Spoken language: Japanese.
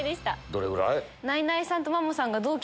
どれぐらい？